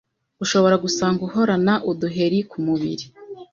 Ushobora gusanga uhorana uduheri ku mubiri,